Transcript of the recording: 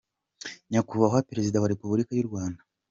Nyakubahwa Perezida wa Republika Y’U Rwanda,